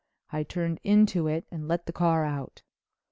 I turned into it and let the car out.